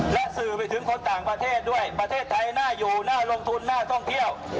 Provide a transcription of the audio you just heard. และสื่อไปถึงคนต่างประเทศด้วยประเทศไทยน่าอยู่น่าลงทุนน่าท่องเที่ยว